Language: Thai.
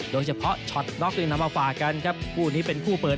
โดยเฉพาะช็อตน็อกที่นำมาฝากกันครับคู่นี้เป็นคู่เปิด